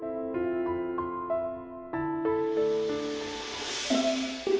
kamu belum mandi